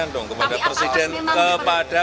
oh enggak enggak enggak